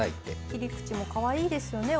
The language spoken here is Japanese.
切り口もかわいいですよね